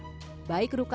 bagaimana cara menurut anda